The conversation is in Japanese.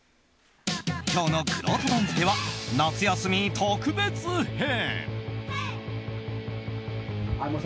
今日の、くろうと番付は夏休み特別編。